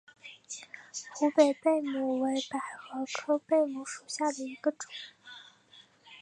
湖北贝母为百合科贝母属下的一个种。